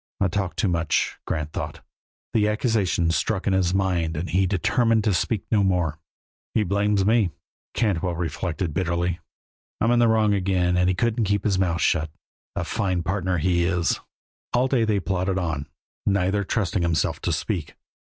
I talk too much," Grant thought. The accusation struck in his mind and he determined to speak no more. "He blames me," Cantwell reflected, bitterly. "I'm in wrong again and he couldn't keep his mouth shut. A fine partner, he is!" All day they plodded on, neither trusting himself to speak.